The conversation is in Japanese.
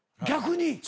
逆に？